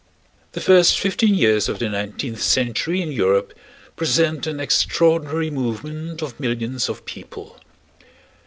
The first fifteen years of the nineteenth century in Europe present an extraordinary movement of millions of people.